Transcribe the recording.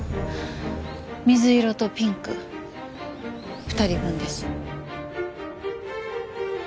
水色とピンク２人分です。